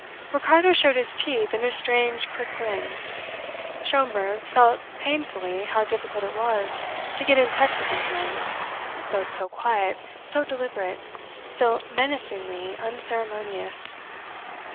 Ricardo showed his teeth in a strange, quick grin. Schomberg felt painfully how difficult it was to get in touch with these men, both so quiet, so deliberate, so menacingly unceremonious.